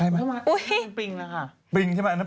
เป็นปริงแหละค่ะ